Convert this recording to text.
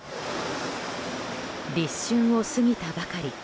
立春を過ぎたばかり。